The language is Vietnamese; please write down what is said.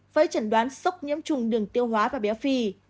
với trận đoán sốc nhiễm trùng đường tiêu hóa béo phì